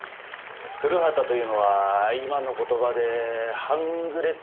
古畑というのは今の言葉で半グレっていうんですかね。